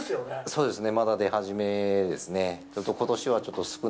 そうですね。